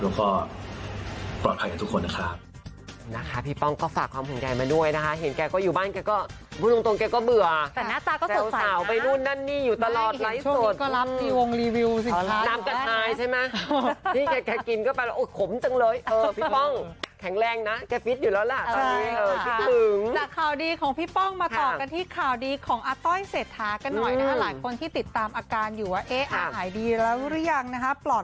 แล้วก็ปลอดภัยกับทุกคนนะครับ